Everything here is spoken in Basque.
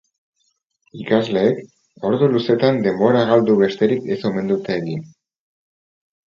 Ikasleek ordu luzeetan denbora galdu besterik ez omen dute egin.